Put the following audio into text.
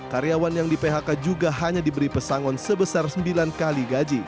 karyawan yang di phk juga hanya diberi pesangon sebesar sembilan kali gaji